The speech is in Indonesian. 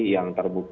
tni yang terbuka